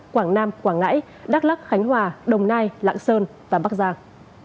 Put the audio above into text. quảng nam quảng ngãi đắk lắc khánh hòa đồng nai lạng sơn và bắc giang